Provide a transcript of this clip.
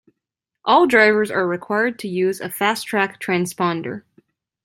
All drivers are required to use a FasTrak transponder.